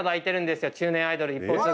中年アイドル「一方通行」！